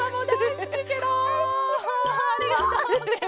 ありがとうケロ。